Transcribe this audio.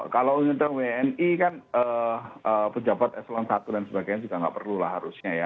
kalau untuk wni kan pejabat eselon i dan sebagainya juga nggak perlu lah harusnya ya